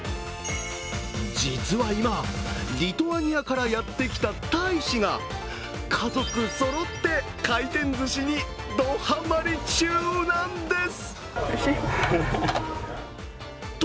実は今、リトアニアからやってきた大使が家族そろって、回転ずしにドはまり中なんです。